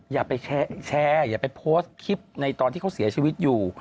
อย่าไปแชร์อย่าไปโพสต์คลิปในตอนที่เขาเสียชีวิตอยู่